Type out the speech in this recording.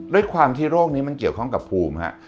ด้วยความที่โรคนี้มันเกี่ยวข้องกับภูมิฮะ